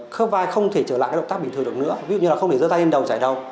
khớp vai không thể trở lại động tác bình thường được nữa ví dụ như không thể dơ tay lên đầu chảy đầu